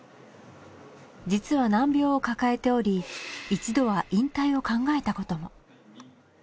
実は難病を抱えており一度は引退を考えたことも。